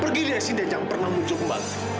pergi dari sini dan jangan pernah muncul lagi